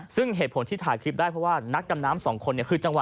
ซึ่งเหตุผลที่ถ่ายคลิปได้เพราะว่านักดำน้ำ๒คน